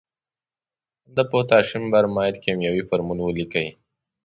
د پوتاشیم برماید کیمیاوي فورمول ولیکئ.